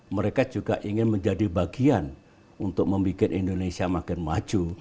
mereka juga ingin menjadi bagian untuk membuat indonesia makin maju